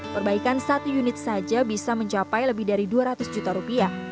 perbaikan satu unit saja bisa mencapai lebih dari dua ratus juta rupiah